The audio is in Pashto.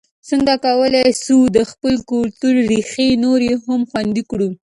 څنګه کولای سو د خپل کلتور ریښې نورې هم خوندي کړو؟